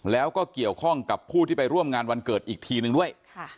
แล้วก็เกี่ยวข้องกับผู้ที่ไปร่วมงานวันเกิดอีกทีนึงด้วย